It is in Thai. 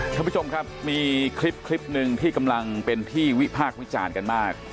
ท่านผู้ชมครับมีคลิปหนึ่งที่กำลังเป็นที่วิพากษ์วิจารณ์กันมาก